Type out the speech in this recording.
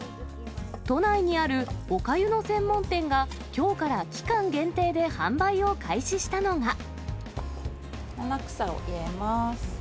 都内にあるおかゆの専門店が、きょうから期間限定で販売を開始したのが。